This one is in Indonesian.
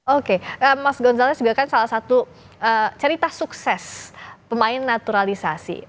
oke mas ghazali juga kan salah satu cerita sukses pemain naturalisasi